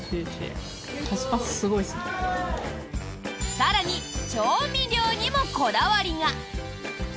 更に、調味料にもこだわりが。